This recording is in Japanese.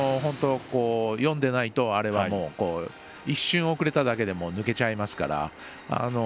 読んでないと一瞬遅れただけで抜けちゃいますから。